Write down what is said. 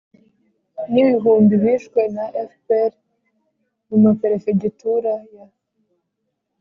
n'ibihumbi bishwe na fpr mu ma perefegitura ya